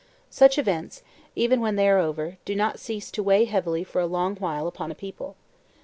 Such events, even when they are over, do not cease to weigh heavily for a long while upon a people.